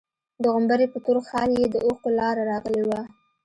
د غومبري په تور خال يې د اوښکو لاره راغلې وه.